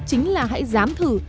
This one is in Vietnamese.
chính là hãy dám thử